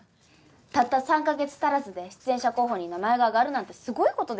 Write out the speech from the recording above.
たった３カ月足らずで出演者候補に名前が挙がるなんてすごい事ですよ。